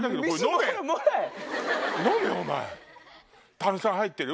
炭酸入ってる？